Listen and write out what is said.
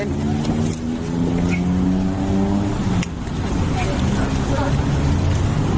นี่ใจเย็น